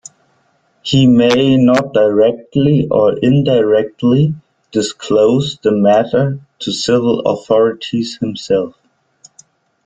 He may not directly or indirectly disclose the matter to civil authorities himself.